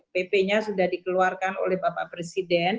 pp nya sudah dikeluarkan oleh bapak presiden